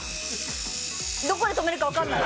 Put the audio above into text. どこで止めるか分かんない。